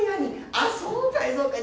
ああそうかいそうかい。